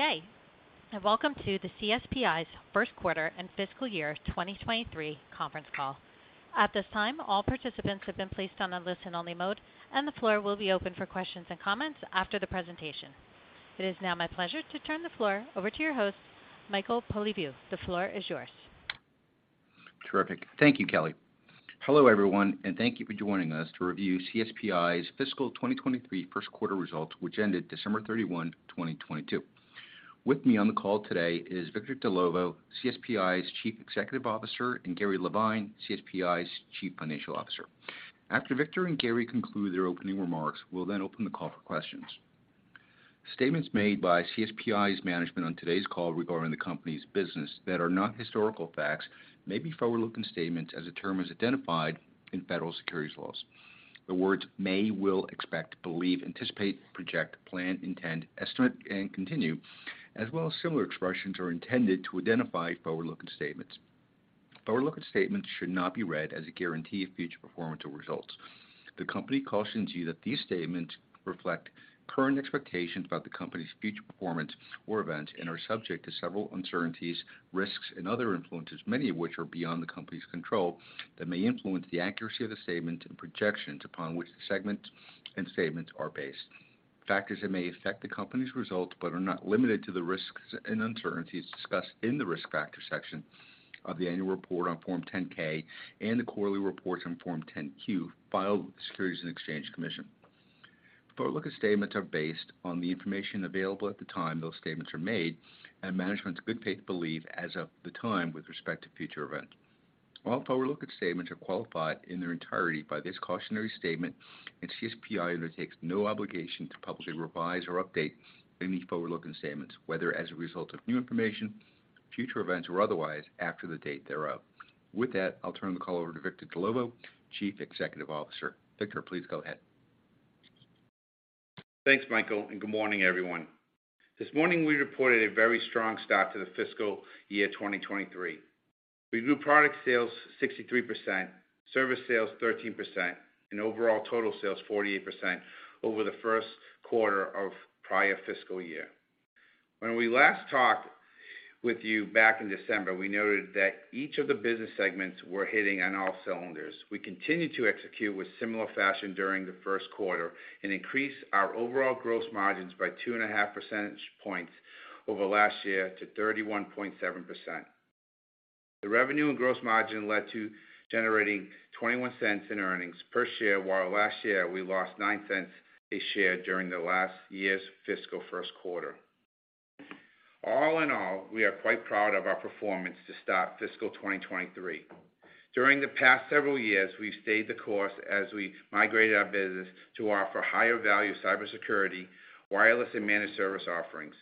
Good day, and welcome to the CSPi's first quarter and fiscal year 2023 conference call. At this time, all participants have been placed on a listen-only mode, and the floor will be open for questions and comments after the presentation. It is now my pleasure to turn the floor over to your host, Michael Polyviou. The floor is yours. Terrific. Thank you, Kelly. Hello, everyone, and thank you for joining us to review CSPI's fiscal 2023 first quarter results, which ended December 31, 2022. With me on the call today is Victor Dellovo, CSPI's Chief Executive Officer, and Gary Levine, CSPI's Chief Financial Officer. After Victor and Gary conclude their opening remarks, we'll then open the call for questions. Statements made by CSPI's management on today's call regarding the company's business that are not historical facts may be forward-looking statements as the term is identified in federal securities laws. The words may, will, expect, believe, anticipate, project, plan, intend, estimate, and continue, as well as similar expressions, are intended to identify forward-looking statements. Forward-looking statements should not be read as a guarantee of future performance or results. The company cautions you that these statements reflect current expectations about the company's future performance or events and are subject to several uncertainties, risks, and other influences, many of which are beyond the company's control, that may influence the accuracy of the statements and projections upon which the segments and statements are based. Factors that may affect the company's results but are not limited to the risks and uncertainties discussed in the Risk Factors section of the annual report on Form 10-K and the quarterly reports on Form 10-Q filed with the Securities and Exchange Commission. Forward-looking statements are based on the information available at the time those statements are made and management's good faith belief as of the time with respect to future events. All forward-looking statements are qualified in their entirety by this cautionary statement. CSPI undertakes no obligation to publicly revise or update any forward-looking statements, whether as a result of new information, future events, or otherwise after the date thereof. With that, I'll turn the call over to Victor Dellovo, Chief Executive Officer. Victor, please go ahead. Thanks, Michael, good morning, everyone. This morning we reported a very strong start to the fiscal year 2023. We grew product sales 63%, service sales 13%, and overall total sales 48% over the first quarter of prior fiscal year. When we last talked with you back in December, we noted that each of the business segments were hitting on all cylinders. We continued to execute with similar fashion during the first quarter and increased our overall gross margins by 2.5 percentage points over last year to 31.7%. The revenue and gross margin led to generating $0.21 in earnings per share, while last year we lost $0.09 a share during the last year's fiscal first quarter. All in all, we are quite proud of our performance to start fiscal 2023. During the past several years, we've stayed the course as we migrated our business to offer higher-value cybersecurity, wireless, and managed service offerings.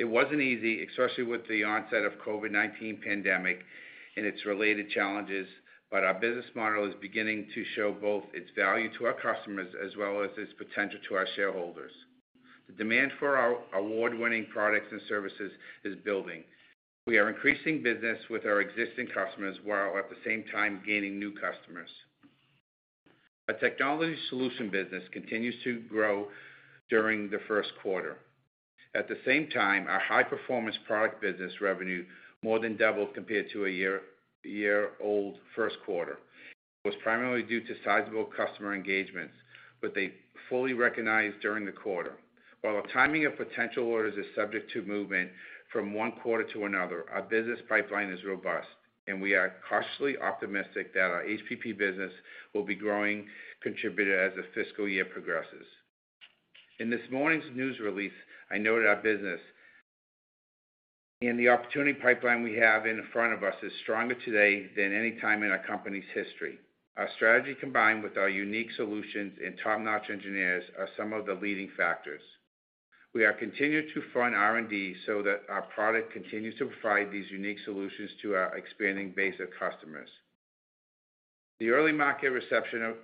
It wasn't easy, especially with the onset of COVID-19 pandemic and its related challenges, but our business model is beginning to show both its value to our customers as well as its potential to our shareholders. The demand for our award-winning products and services is building. We are increasing business with our existing customers while at the same time gaining new customers. Our technology solution business continues to grow during the first quarter. At the same time, our high-performance product business revenue more than doubled compared to a year-old first quarter. It was primarily due to sizable customer engagements, but they fully recognized during the quarter. While the timing of potential orders is subject to movement from one quarter to another, our business pipeline is robust, and we are cautiously optimistic that our HPP business will be growing contributor as the fiscal year progresses. In this morning's news release, I noted our business and the opportunity pipeline we have in front of us is stronger today than any time in our company's history. Our strategy combined with our unique solutions and top-notch engineers are some of the leading factors. We are continuing to fund R&D so that our product continues to provide these unique solutions to our expanding base of customers. The early market reception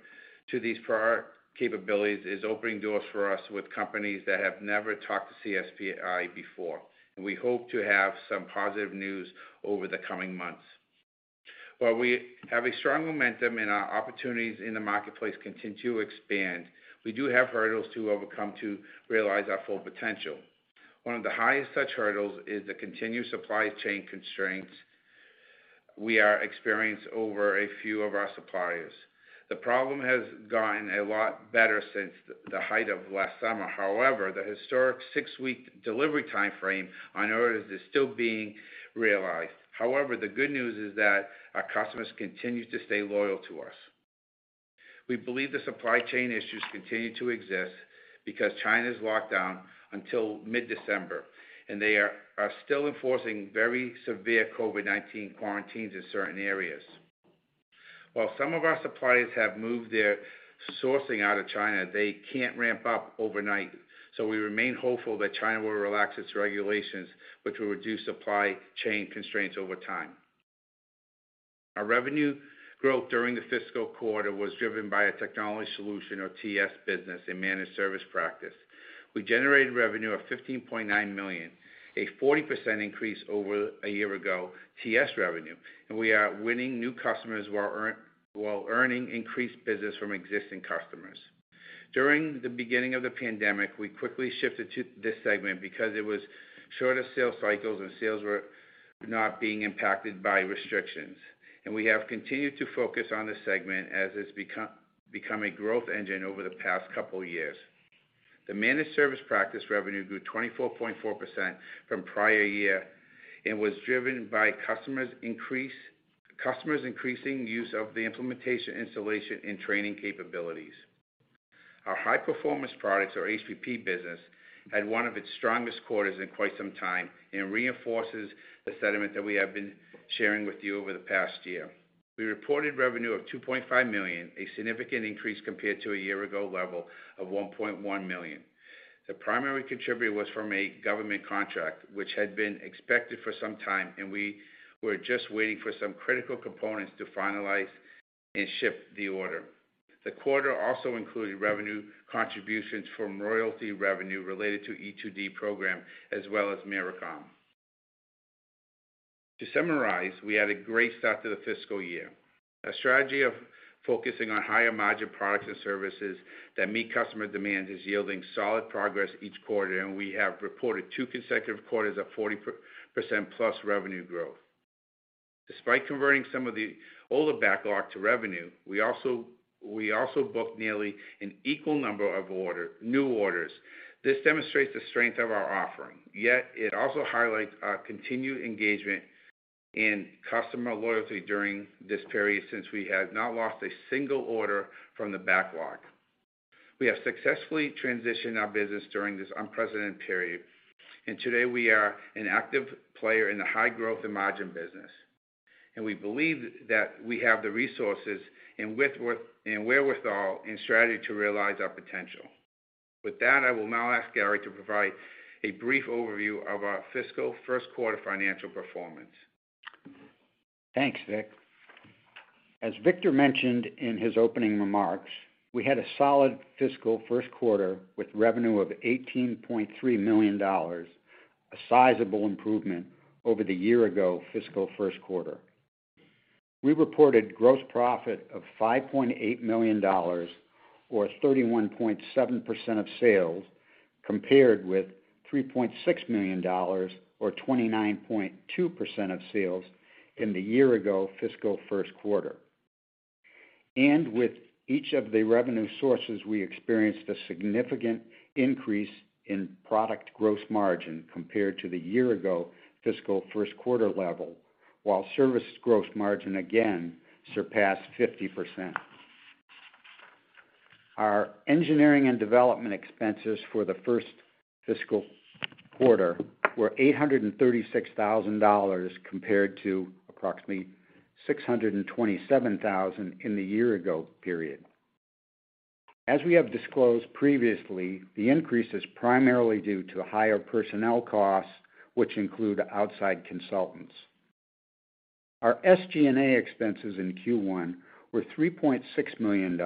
to these product capabilities is opening doors for us with companies that have never talked to CSPi before. We hope to have some positive news over the coming months. While we have a strong momentum and our opportunities in the marketplace continue to expand, we do have hurdles to overcome to realize our full potential. One of the highest such hurdles is the continued supply chain constraints we are experienced over a few of our suppliers. The problem has gotten a lot better since the height of last summer. The historic six-week delivery timeframe on orders is still being realized. The good news is that our customers continue to stay loyal to us. We believe the supply chain issues continue to exist because China's locked down until mid-December, they are still enforcing very severe COVID-19 quarantines in certain areas. While some of our suppliers have moved their sourcing out of China, they can't ramp up overnight. We remain hopeful that China will relax its regulations, which will reduce supply chain constraints over time. Our revenue growth during the fiscal quarter was driven by a technology solution or TS business and managed service practice. We generated revenue of $15.9 million, a 40% increase over a year-ago TS revenue. We are winning new customers while earning increased business from existing customers. During the beginning of the pandemic, we quickly shifted to this segment because it was shorter sales cycles and sales were not being impacted by restrictions. We have continued to focus on this segment as it's become a growth engine over the past couple years. The managed service practice revenue grew 24.4% from prior year and was driven by customers' increasing use of the implementation, installation, and training capabilities. Our high-performance products, or HPP business, had one of its strongest quarters in quite some time and reinforces the sentiment that we have been sharing with you over the past year. We reported revenue of $2.5 million, a significant increase compared to a year ago level of $1.1 million. The primary contributor was from a government contract, which had been expected for some time, and we were just waiting for some critical components to finalize and ship the order. The quarter also included revenue contributions from royalty revenue related to E-2D program, as well as Myricom. To summarize, we had a great start to the fiscal year. A strategy of focusing on higher margin products and services that meet customer demand is yielding solid progress each quarter, and we have reported two consecutive quarters of 40%+ revenue growth. Despite converting some of the older backlog to revenue, we also booked nearly an equal number of new orders. This demonstrates the strength of our offering, yet it also highlights our continued engagement in customer loyalty during this period since we have not lost a single order from the backlog. We have successfully transitioned our business during this unprecedented period, and today we are an active player in the high growth and margin business. We believe that we have the resources and wherewithal and strategy to realize our potential. With that, I will now ask Gary to provide a brief overview of our fiscal first quarter financial performance. Thanks, Vic. As Victor mentioned in his opening remarks, we had a solid fiscal first quarter with revenue of $18.3 million, a sizable improvement over the year-ago fiscal first quarter. We reported gross profit of $5.8 million or 31.7% of sales, compared with $3.6 million or 29.2% of sales in the year-ago fiscal first quarter. With each of the revenue sources, we experienced a significant increase in product gross margin compared to the year-ago fiscal first quarter level, while service gross margin again surpassed 50%. Our engineering and development expenses for the first fiscal quarter were $836,000 compared to approximately $627,000 in the year-ago period. As we have disclosed previously, the increase is primarily due to higher personnel costs, which include outside consultants. Our SG&A expenses in Q1 were $3.6 million,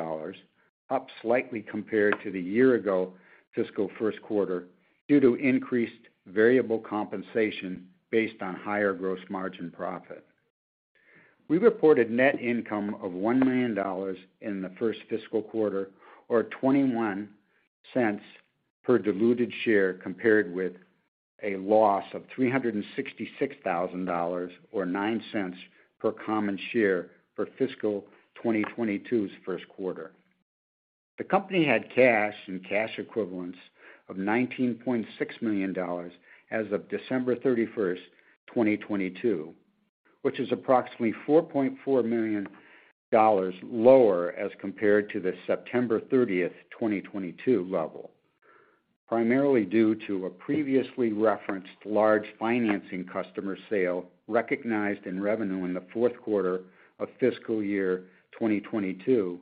up slightly compared to the year ago fiscal first quarter due to increased variable compensation based on higher gross margin profit. We reported net income of $1 million in the first fiscal quarter, or $0.21 per diluted share, compared with a loss of $366,000 or $0.09 per common share for fiscal 2022's first quarter. The company had cash and cash equivalents of $19.6 million as of December 31, 2022, which is approximately $4.4 million lower as compared to the September 30, 2022 level, primarily due to a previously referenced large financing customer sale recognized in revenue in the fourth quarter of fiscal year 2022,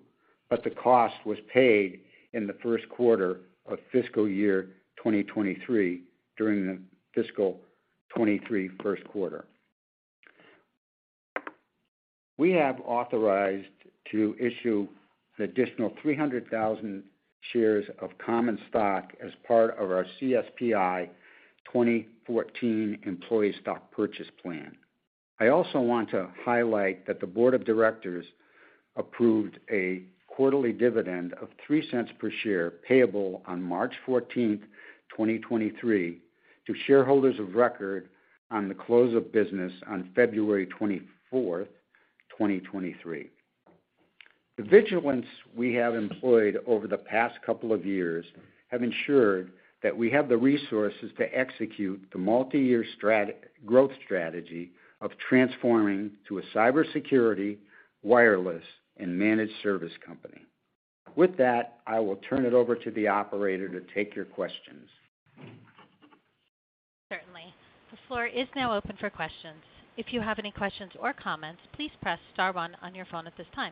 the cost was paid in the first quarter of fiscal year 2023 during the fiscal 2023 first quarter. We have authorized to issue an additional 300,000 shares of common stock as part of our CSPi 2014 Employee Stock Purchase Plan. I also want to highlight that the board of directors approved a quarterly dividend of $0.03 per share payable on March 14, 2023, to shareholders of record on the close of business on February 24, 2023. The vigilance we have employed over the past couple of years have ensured that we have the resources to execute the multiyear growth strategy of transforming to a cybersecurity, wireless, and managed service company. With that, I will turn it over to the operator to take your questions. Certainly. The floor is now open for questions. If you have any questions or comments, please press star one on your phone at this time.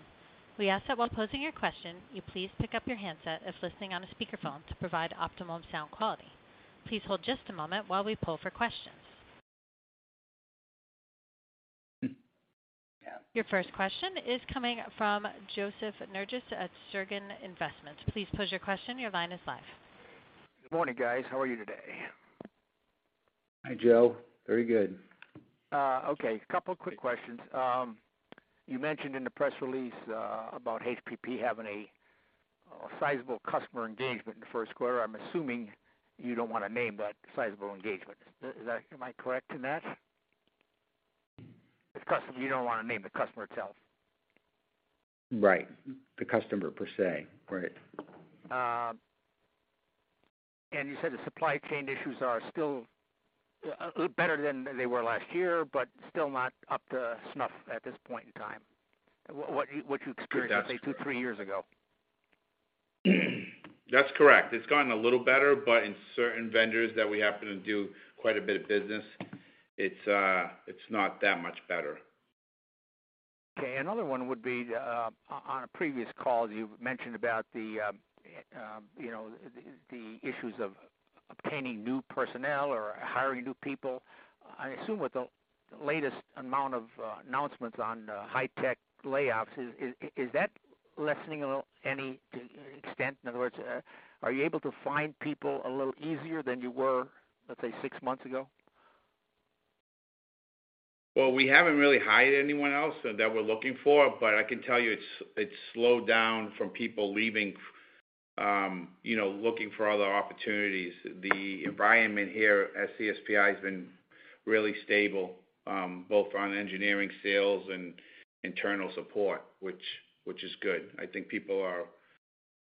We ask that while posing your question, you please pick up your handset if listening on a speakerphone to provide optimal sound quality. Please hold just a moment while we pull for questions. Your first question is coming from Joseph Nerges at Segren Investments. Please pose your question. Your line is live. Good morning, guys. How are you today? Hi, Joe. Very good. Okay. A couple quick questions. You mentioned in the press release about HPP having a sizable customer engagement in the first quarter. I'm assuming you don't wanna name that sizable engagement. Is that... Am I correct in that? You don't wanna name the customer itself. Right. The customer per se. Right. You said the supply chain issues are still better than they were last year, but still not up to snuff at this point in time. What you experienced? Yes. let's say, two, three years ago? That's correct. It's gotten a little better, but in certain vendors that we happen to do quite a bit of business, it's not that much better. Okay. Another one would be, on a previous call, you've mentioned about the, you know, the issues of obtaining new personnel or hiring new people. I assume with the latest amount of announcements on the high tech layoffs, is that lessening a little any, to extent? In other words, are you able to find people a little easier than you were, let's say, six months ago? Well, we haven't really hired anyone else that we're looking for. I can tell you it's slowed down from people leaving, you know, looking for other opportunities. The environment here at CSPI has been really stable, both on engineering, sales, and internal support, which is good. I think people are,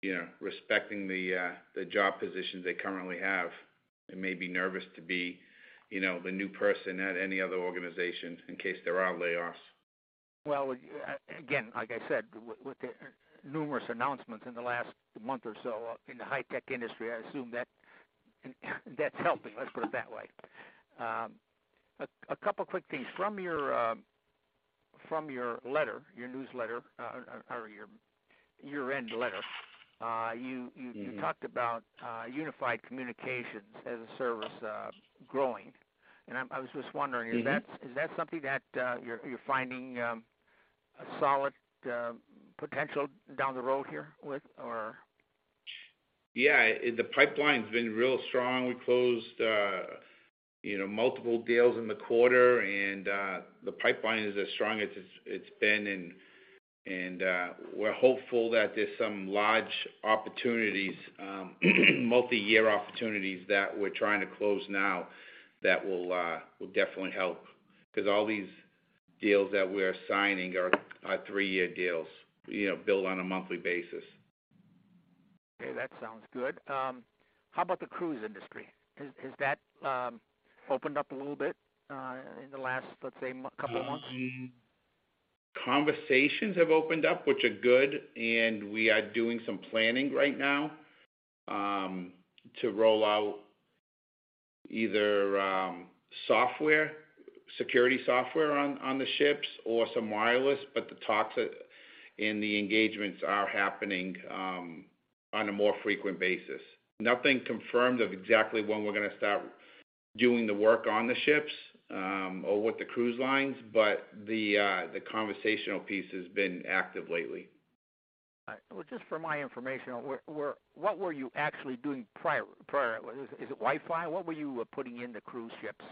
you know, respecting the job positions they currently have and may be nervous to be, you know, the new person at any other organization in case there are layoffs. Well, again, like I said, with the numerous announcements in the last month or so in the high tech industry, I assume that that's helping. Let's put it that way. A couple quick things. From your, from your letter, your newsletter, or your year-end letter. Mm-hmm. you talked about, Unified Communications as a Service, growing. I was just wondering- Mm-hmm. -is that something that you're finding a solid potential down the road here with or? Yeah. The pipeline's been real strong. We closed, you know, multiple deals in the quarter. The pipeline is as strong as it's been. We're hopeful that there's some large opportunities, multi-year opportunities that we're trying to close now that will definitely help. Because all these deals that we're signing are three-year deals, you know, billed on a monthly basis. Okay, that sounds good. How about the cruise industry? Has that opened up a little bit in the last, let's say, couple of months? Conversations have opened up, which are good, and we are doing some planning right now, to roll out either, software, security software on the ships or some wireless. The talks and the engagements are happening, on a more frequent basis. Nothing confirmed of exactly when we're gonna start doing the work on the ships, or with the cruise lines, but the conversational piece has been active lately. All right. Well, just for my information, what were you actually doing prior? Is it Wi-Fi? What were you putting in the cruise ships,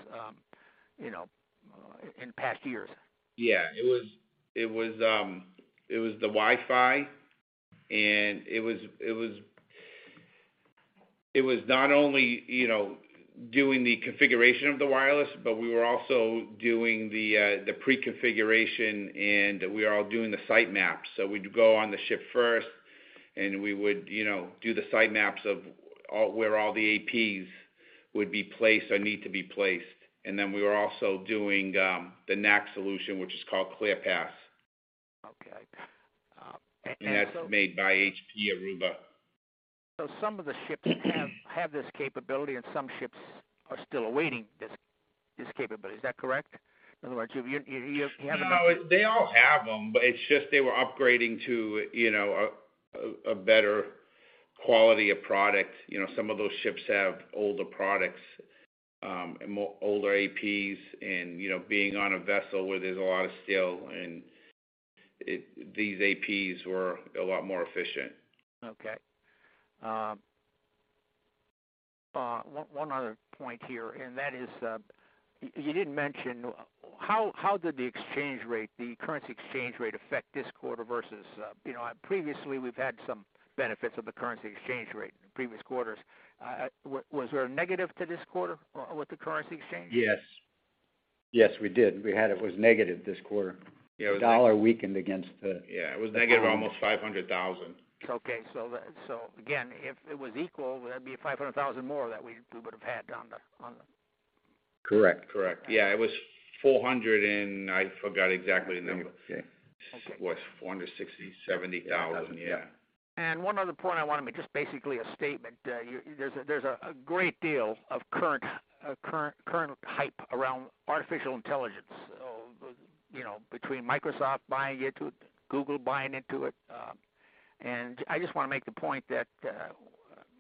you know, in past years? Yeah. It was the Wi-Fi, and it was not only, you know, doing the configuration of the wireless, but we were also doing the pre-configuration, and we are all doing the site maps. We'd go on the ship first, and we would, you know, do the site maps of where all the APs would be placed or need to be placed. We were also doing the NAC solution, which is called ClearPass. Okay. That's made by HP Aruba. some of the ships have this capability, and some ships are still awaiting this capability. Is that correct? In other words, You have. No. They all have them, but it's just they were upgrading to, you know, a better quality of product. You know, some of those ships have older products, and older APs. You know, being on a vessel where there's a lot of steel, and these APs were a lot more efficient. Okay. One other point here, and that is, you did mention, how did the exchange rate, the currency exchange rate affect this quarter versus, you know, previously we've had some benefits of the currency exchange rate in previous quarters. Was there a negative to this quarter with the currency exchange? Yes. Yes, we did. We had... It was negative this quarter. Yeah. The dollar weakened against the. Yeah. -economy. It was negative almost $500,000. Okay. Again, if it was equal, that'd be $500,000 more that we would have had on the, on the... Correct. Correct. Yeah. It was 400 and I forgot exactly the number. Okay. It was $470,000. Yeah. One other point I wanted to make, just basically a statement. There's a great deal of current hype around artificial intelligence, you know, between Microsoft buying into it, Google buying into it. I just wanna make the point that,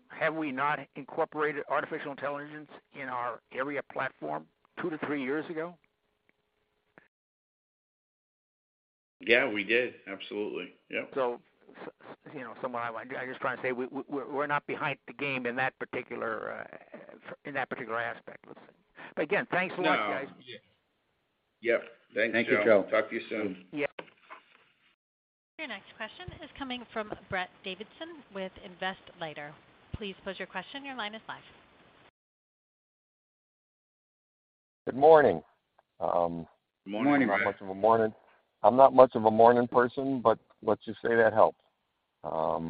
have we not incorporated artificial intelligence in our ARIA platform two to three years ago? Yeah, we did. Absolutely. Yep. You know, somewhat I'm just trying to say, we're not behind the game in that particular aspect, let's say. Again, thanks a lot, guys. No. Yeah. Yep. Thanks, Joe. Thank you, Joe. Talk to you soon. Yeah. Your next question is coming from Brett Davidson with Investletter. Please pose your question. Your line is live. Good morning. Good morning. Morning, Brett. I'm not much of a morning person, let's just say that helps. I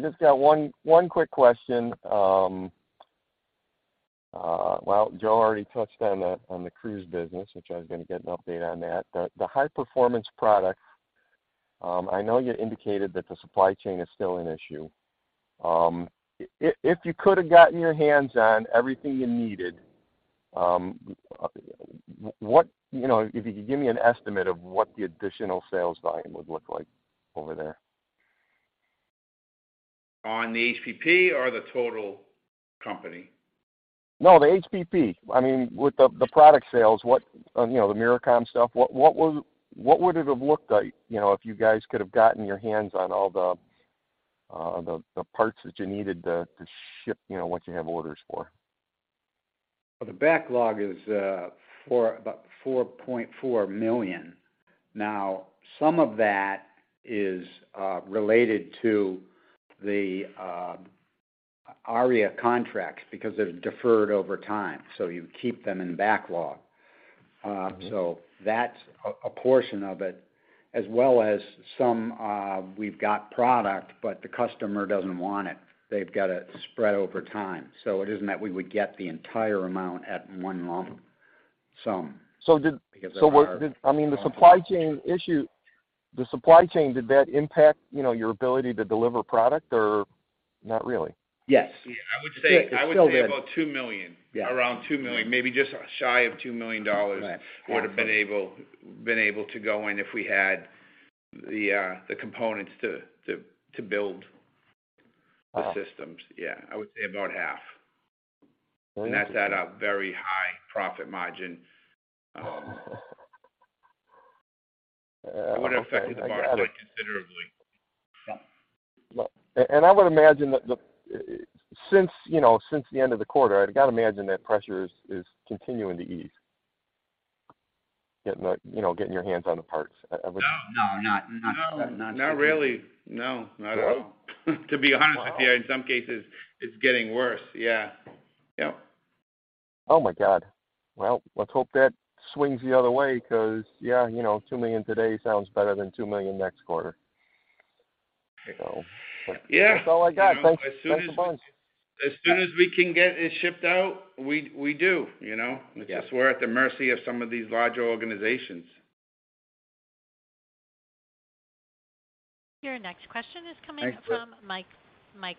just got one quick question. Well, Joe already touched on the cruise business, which I was gonna get an update on that. The high performance products, I know you indicated that the supply chain is still an issue. If you could have gotten your hands on everything you needed, You know, if you could give me an estimate of what the additional sales volume would look like over there? On the HPP or the total company? No, the HPP. I mean, with the product sales, what. You know, the Myricom stuff. What, what would it have looked like, you know, if you guys could have gotten your hands on all the parts that you needed to ship, you know, what you have orders for? Well, the backlog is about $4.4 million. Some of that is related to the ARIA contracts because they're deferred over time, so you keep them in backlog. That's a portion of it, as well as some, we've got product, but the customer doesn't want it. They've got it spread over time. It isn't that we would get the entire amount at one moment. did- Because they are- I mean, the supply chain, did that impact, you know, your ability to deliver product or not really? Yes. Yeah, I would. It's still there. I would say about $2 million. Yeah. Around $2 million, maybe just shy of $2 million. Right, roughly. would've been able to go in if we had the components to build. Uh. the systems. Yeah, I would say about half. Interesting. That's at a very high profit margin. okay. It would have affected the margins considerably. Since, you know, since the end of the quarter, I'd gotta imagine that pressure is continuing to ease. Getting the, you know, getting your hands on the parts. No. No, not really. No, not really. No, not at all. To be honest with you, in some cases, it's getting worse. Yeah. Yep. Oh my God. Well, let's hope that swings the other way 'cause, yeah, you know, $2 million today sounds better than $2 million next quarter. Yeah. That's all I got. You know, as soon as- Thanks a bunch. As soon as we can get it shipped out, we do, you know? Yeah. It's just we're at the mercy of some of these larger organizations. Your next question is coming from Mike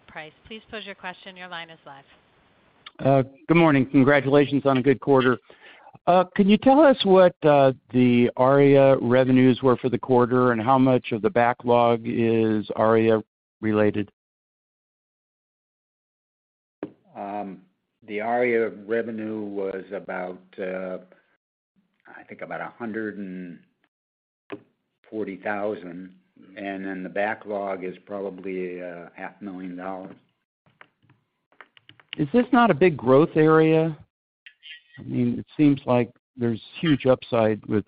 Price. Please pose your question. Your line is live. Good morning. Congratulations on a good quarter. Can you tell us what the ARIA revenues were for the quarter, and how much of the backlog is ARIA related? The ARIA revenue was about, I think about $140,000, and then the backlog is probably, half a million dollars. Is this not a big growth area? I mean, it seems like there's huge upside with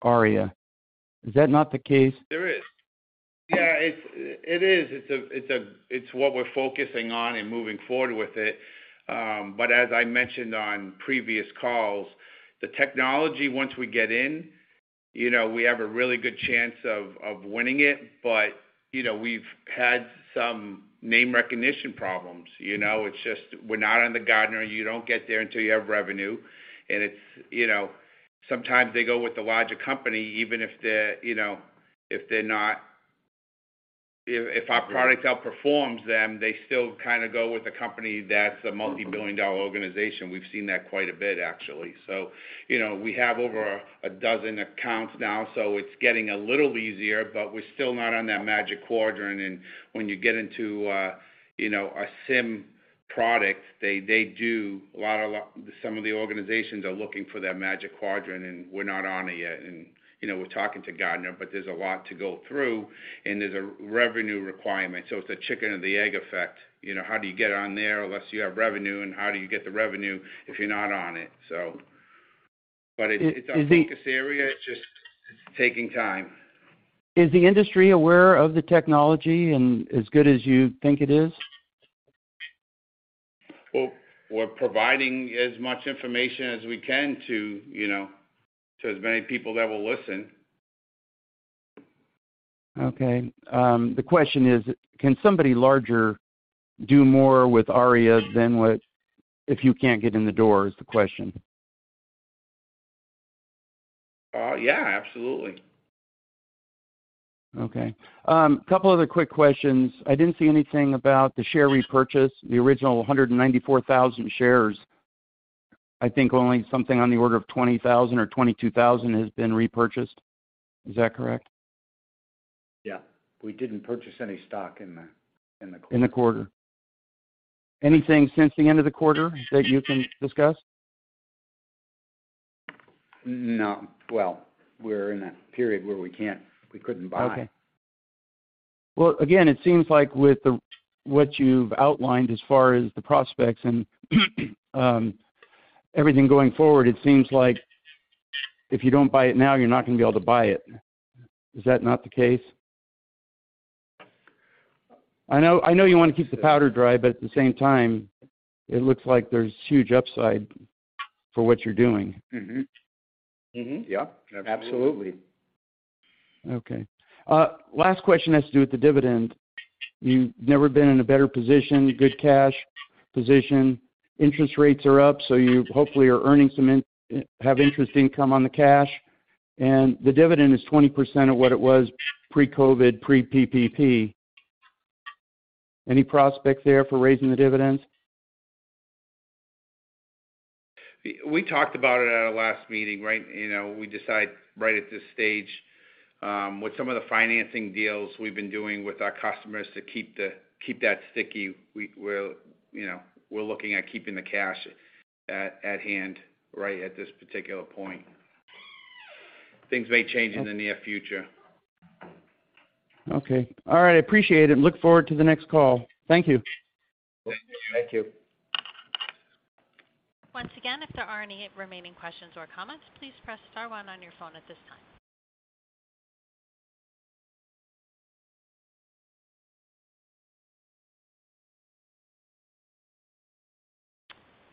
ARIA. Is that not the case? There is. Yeah. It is. It's what we're focusing on and moving forward with it. As I mentioned on previous calls, the technology, once we get in, you know, we have a really good chance of winning it. You know, we've had some name recognition problems, you know. It's just we're not on the Gartner. You don't get there until you have revenue. It's, you know, sometimes they go with the larger company, even if they're, you know, if our product outperforms them, they still kinda go with the company that's a multi-billion dollar organization. We've seen that quite a bit, actually. You know, we have over a dozen accounts now, so it's getting a little easier, but we're still not on that Magic Quadrant. When you get into, you know, a SIEM product, they do. Some of the organizations are looking for that Magic Quadrant, and we're not on it yet. You know, we're talking to Gartner, but there's a lot to go through, and there's a revenue requirement. It's the chicken and the egg effect. You know, how do you get on there unless you have revenue? How do you get the revenue if you're not on it? It's, it's our focus area. It's just taking time. Is the industry aware of the technology and as good as you think it is? Well, we're providing as much information as we can to, you know, to as many people that will listen. Okay. The question is, can somebody larger do more with ARIA than what... If you can't get in the door is the question. Yeah, absolutely. Okay. Couple other quick questions. I didn't see anything about the share repurchase, the original 194,000 shares. I think only something on the order of 20,000 or 22,000 has been repurchased. Is that correct? Yeah, we didn't purchase any stock in the, in the quarter. In the quarter. Anything since the end of the quarter that you can discuss? No. Well, we're in a period where we couldn't buy. Okay. Well, again, it seems like with what you've outlined as far as the prospects and everything going forward, it seems like if you don't buy it now, you're not gonna be able to buy it. Is that not the case? I know, I know you wanna keep the powder dry, but at the same time, it looks like there's huge upside for what you're doing. Mm-hmm. Mm-hmm. Yeah. Absolutely. Okay. Last question has to do with the dividend. You've never been in a better position, good cash position. Interest rates are up, so you hopefully are earning some interest income on the cash. The dividend is 20% of what it was pre-COVID, pre-PPP. Any prospects there for raising the dividends? We talked about it at our last meeting, right? You know, we decide right at this stage, with some of the financing deals we've been doing with our customers to keep that sticky, we're, you know, we're looking at keeping the cash at hand right at this particular point. Things may change in the near future. Okay. All right, I appreciate it, and look forward to the next call. Thank you. Thank you. Once again, if there are any remaining questions or comments, please press star one on your phone at this time.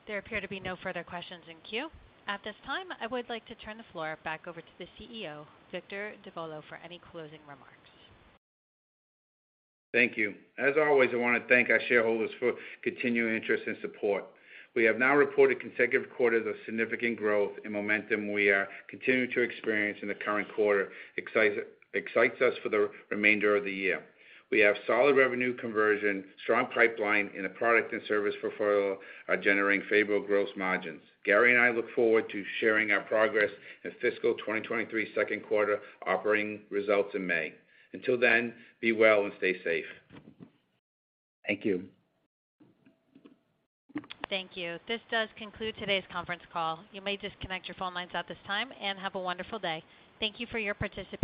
There appear to be no further questions in queue. At this time, I would like to turn the floor back over to the CEO, Victor Dellovo, for any closing remarks. Thank you. As always, I wanna thank our shareholders for continued interest and support. We have now reported consecutive quarters of significant growth and momentum we are continuing to experience in the current quarter excites us for the remainder of the year. We have solid revenue conversion, strong pipeline, and the product and service portfolio are generating favorable gross margins. Gary and I look forward to sharing our progress in fiscal 2023 second quarter operating results in May. Until then, be well and stay safe. Thank you. Thank you. This does conclude today's conference call. You may disconnect your phone lines at this time, and have a wonderful day. Thank you for your participation.